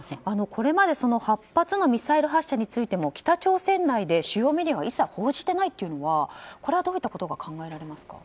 これまで８発のミサイル発射についても北朝鮮内で主要メディアが一切報じてないというのはこれはどういったことが考えられますか？